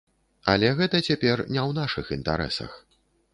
Але гэта цяпер не ў нашых інтарэсах.